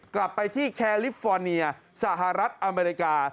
กลับไปที่แคลิฟฟอร์เนียสหรัฐอเมริกา